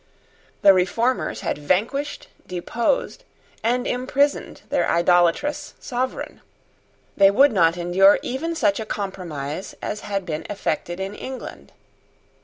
The Reformers had vanquished, deposed, and imprisoned their idolatrous sovereign. They would not endure even such a compromise as had been effected in England.